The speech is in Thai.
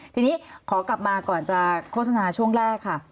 ทีนี้ขอกลับมาก่อนจะโฆษณาช่วงแรกค่ะ